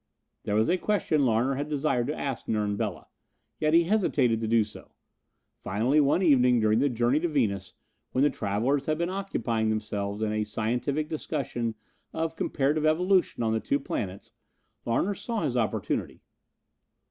There was a question Larner had desired to ask Nern Bela, yet he hesitated to do so. Finally one evening during the journey to Venus, when the travelers had been occupying themselves in a scientific discussion of comparative evolution on the two planets, Larner saw his opportunity.